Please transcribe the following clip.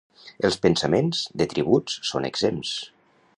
Els pensaments, de tributs són exempts.